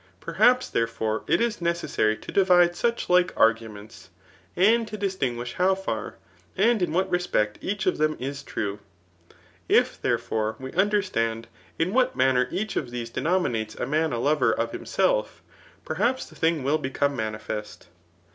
Perhaps, there fore, it is necessary to divide such like arguments^ and to distinguish how far, and in what respect each of them is true. If, therefore, we understand in what manner each of these denominates a man a lover of himself, perhaps the thing will become manifest.